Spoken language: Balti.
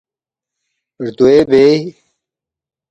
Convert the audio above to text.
”ردوے بے؟“